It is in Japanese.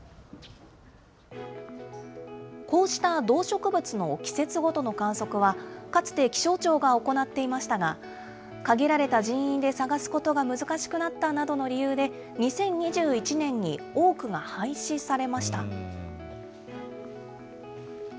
こうした動植物の季節ごとの観測は、かつて気象庁が行っていましたが、限られた人員で探すことが難しくなったなどの理由で、２０２１年に多くが廃止されました。